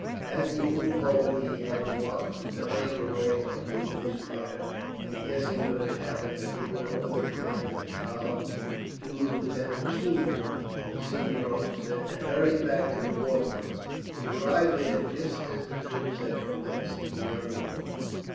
As he moved forward, he had marked the dying away of the English fire, and guessing what had happened, had given over the command of the column to Lieutenant Keene, the senior officer, and hurried back to the watercourse. He arrived there just as the troops had commenced to run away.